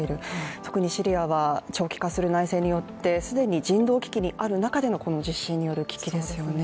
特にシリアは長期化する内戦によって既に人道危機にある中でのこの地震による危機ですよね。